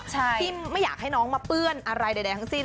ที่ไม่อยากให้น้องมาเปื้อนอะไรใดทั้งสิ้น